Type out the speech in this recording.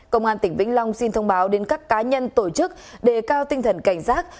công an tỉnh vĩnh long xin thông báo đến các cá nhân tổ chức đề cao tinh thần cảnh giác